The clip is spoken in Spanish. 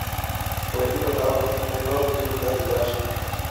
Fue pilotado por Timo Glock y Lucas di Grassi.